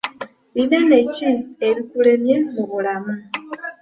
Binene ki ebikulemye mu bulamu?